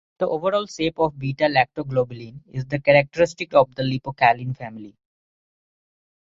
The overall shape of beta-lactoglobulin is characteristic of the lipocalin family.